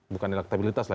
bukan elektabilitas lah